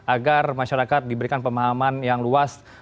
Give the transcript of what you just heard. agar masyarakat diberikan pemahaman yang luas